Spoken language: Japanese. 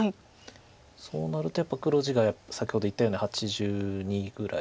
そうなるとやっぱ黒地が先ほど言ったように８２ぐらいですか。